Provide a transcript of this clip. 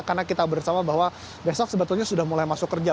karena kita bersama bahwa besok sebetulnya sudah mulai masuk kerja